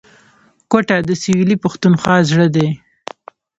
کوټه د سویلي پښتونخوا زړه دی